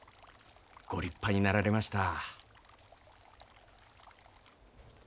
ご立派になられました。